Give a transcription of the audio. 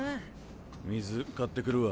水買ってくるわ。